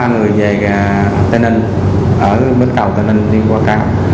ba người về tây ninh ở bến cầu tây ninh đi qua cao